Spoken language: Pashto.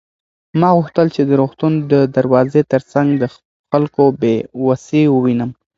ما غوښتل چې د روغتون د دروازې تر څنګ د خلکو بې وسي ووینم.